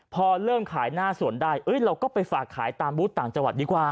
พอเริ่มขายหน้าสวนได้เราก็ไปฝากขายตามบูธต่างจังหวัดดีกว่า